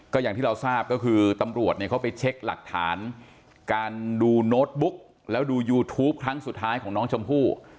ก็อย่างที่เราทราบก็คือตำรวจเนี่ยเขาไปเช็คหลักฐานการดูโน้ตบุ๊กแล้วดูยูทูปครั้งสุดท้ายของน้องชมพู่